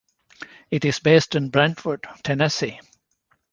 It is based in Brentwood, Tennessee.